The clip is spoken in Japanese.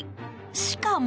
しかも。